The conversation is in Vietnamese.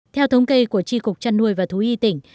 theo thống kê của tri cục chăn nuôi và thú y tỉnh